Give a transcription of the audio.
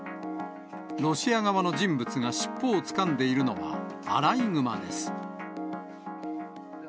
ロシア側の人物が尻尾をつかんでいるのは、アライグマです。